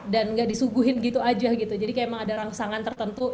dan nggak disuguhin gitu aja gitu jadi kayak emang ada rangsangan tertentu